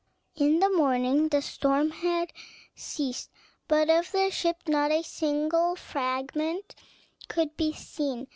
In the morning the storm had ceased; but of the ship not a single fragment could be seen.